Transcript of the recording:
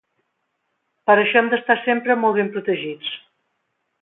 Per això hem d'estar sempre molt ben protegits.